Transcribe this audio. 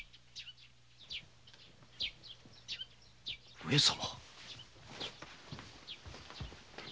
上様？